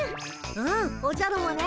うんおじゃるもね。